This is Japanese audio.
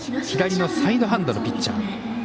左のサイドハンドのピッチャー。